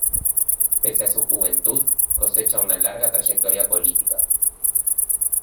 Pese a su juventud, cosecha una larga trayectoria política.